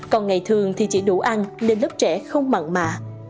còn ngày thường thì chỉ đủ ăn nên lớp trẻ không mặn mà